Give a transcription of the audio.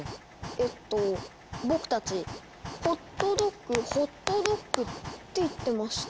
えっと僕たち「ホットドッグホットドッグ」って言ってました。